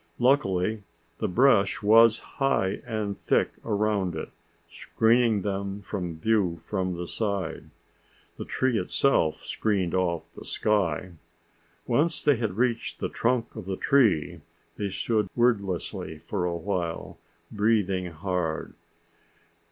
Luckily the brush was high and thick around it, screening them from view from the side. The tree itself screened off the sky. Once they had reached the trunk of the tree, they stood wordlessly for a while, breathing hard.